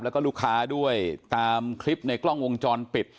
แล้วก็ลูกค้าด้วยตามคลิปในกล้องวงจรปิด